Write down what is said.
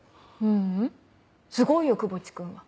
ううんすごいよ窪地君は。